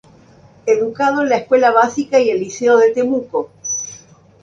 Educado en la Escuela Básica y el Liceo de Temuco.